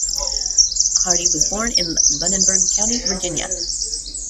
Hardy was born in Lunenburg County, Virginia.